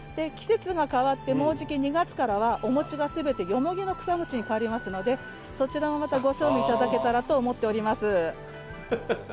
季節が変わってもうじき２月からはお餅がすべてよもぎの草餅に変わりますのでそちらもまたご賞味いただけたらと思っております。